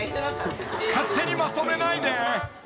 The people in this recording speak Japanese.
［勝手にまとめないで］